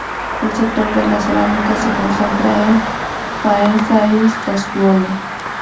El sector de la cerámica se concentra en Faenza y Sassuolo.